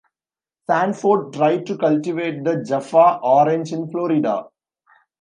Sanford, tried to cultivate the 'Jaffa' orange in Florida.